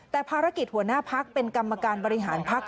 แต่ภารกิจหัวหน้า๘๔เป็นกำมักการบริหารภักษณ์